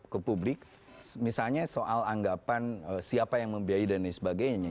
ke publik misalnya soal anggapan siapa yang membiayai dan lain sebagainya